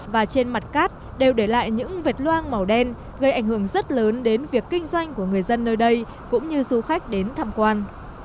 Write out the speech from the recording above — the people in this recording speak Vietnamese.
và trên mặt cát đều để lại những vệt loang màu đen gây ảnh hưởng rất lớn đến việc kinh doanh của người dân nơi đây cũng như du khách đến tham quan